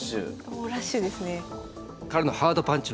猛ラッシュですね。